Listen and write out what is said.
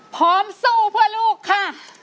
พร้อมสู้เพื่อลูกค่ะ